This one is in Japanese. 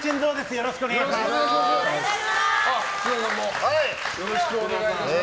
よろしくお願いします。